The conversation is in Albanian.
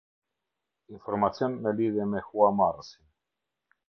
Informacion në lidhje me Huamarrësin.